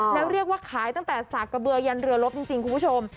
แล้วเรียกว่าขายตั้งแต่สากกระเบือยันเรือลบจริงคุณผู้ชม